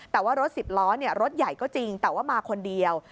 แต่ว่ารถสิบล้อรถใหญ่ก็จริงแต่ว่ามาคนเดียว